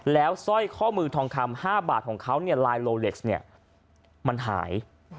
แล้วสร้อยข้อมือทองคำ๕บาทของเขาลายโลเล็กซ์เนี่ยมันหาย